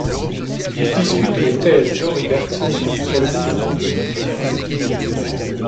Il discute les thèses d'Henri Bergson sur le mouvement.